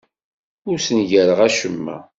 Ur ssengareɣ acemma.